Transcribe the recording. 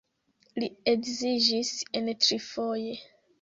Li edziĝis en trifoje.